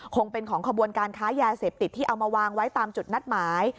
คงเป็นของขบวนการค้ายาเสพติดที่เอามาวางไว้ตามจุดนัดหมาย